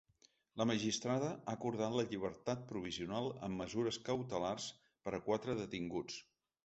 La magistrada ha acordat la llibertat provisional amb mesures cautelars per a quatre detinguts.